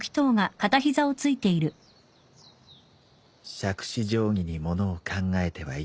しゃくし定規にものを考えてはいけないよ。